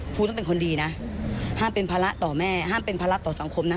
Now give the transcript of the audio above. ครูต้องเป็นคนดีนะห้ามเป็นภาระต่อแม่ห้ามเป็นภาระต่อสังคมนะ